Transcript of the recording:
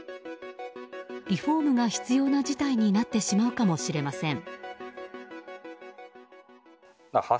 リフォームが必要な事態になってしまうかもしれません。